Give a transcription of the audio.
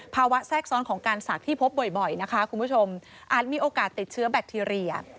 แทรกซ้อนของการศักดิ์ที่พบบ่อยนะคะคุณผู้ชมอาจมีโอกาสติดเชื้อแบคทีเรีย